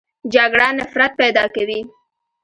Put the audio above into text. جګړه نفرت پیدا کوي